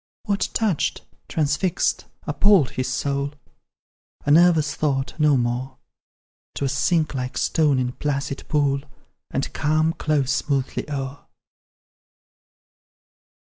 What touched, transfixed, appalled, his soul? A nervous thought, no more; 'Twill sink like stone in placid pool, And calm close smoothly o'er.